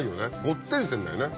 ごってりしてんだよね。